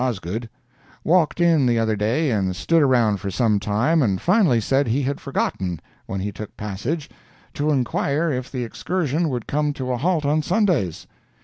Osgood—walked in the other day and stood around for some time, and finally said he had forgotten, when he took passage, to inquire if the excursion would come to a halt on Sundays.